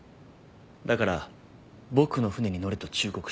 だから僕の船に乗れと忠告している。